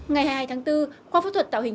ngày hai mươi hai tháng bốn khoa phẫu thuật tạo hình